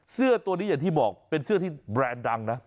เสื้อตัวนี้อย่างที่บอกเป็นเสื้อที่แบรนด์ดังนะ